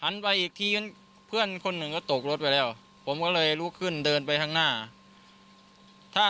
ไปอีกทีเพื่อนคนหนึ่งก็ตกรถไปแล้วผมก็เลยลุกขึ้นเดินไปข้างหน้าถ้า